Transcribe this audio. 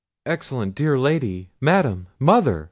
"Excellent, dear lady! madam! mother!"